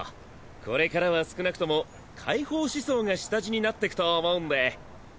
これからは少なくとも解放思想が下地になってくと思うんで。